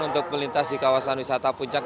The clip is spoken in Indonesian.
untuk melintas di kawasan wisata puncak